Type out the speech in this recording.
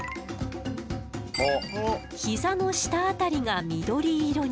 膝の下辺りが緑色に。